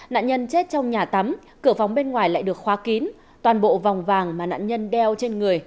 nạn nhân chết trong nhà tắm cửa phóng bên ngoài lại được khóa kín toàn bộ vòng vàng mà nạn nhân đeo trên người